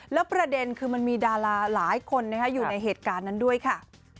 แล้วประเด็นคือมันมีดาราหลายคนอยู่ในเหตุการณ์นั้นด้วยค่ะ